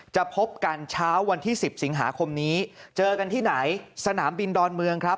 พบกันเช้าวันที่๑๐สิงหาคมนี้เจอกันที่ไหนสนามบินดอนเมืองครับ